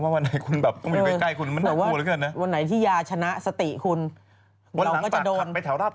มาบ้านคุณ